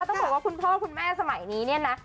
ต้องบอกว่าคุณพ่อคุณแม่สมัยนี้เนี่ยนะ